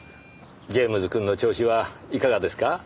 ジェームズくんの調子はいかがですか？